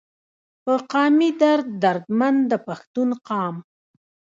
پۀ قامي درد دردمند د پښتون قام